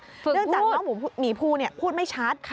เนื่องจากน้องหมีภูพูดไม่ชัด